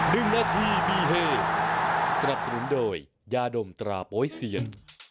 หนึ่งนาทีมีเฮสนับสนุนโดยยาดมตราโป๊ยเซียน